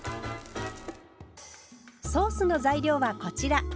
ソースの材料はこちら。